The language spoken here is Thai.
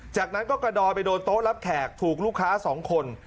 จากนั้นก็กระดอยไปโดนโต๊ะรับแขกถูกลูกค้าสองคน